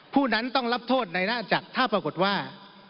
ผู้นั้นต้องรับโทษในหน้าจักรถ้าปรากฏว่า